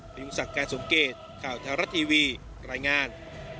พยุงสักการสงเกตข่าวทหารัททีวีรายงาน